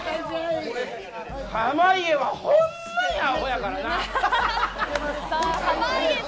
濱家はほんまにアホやからな。